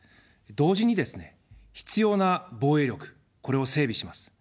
同時にですね、必要な防衛力、これを整備します。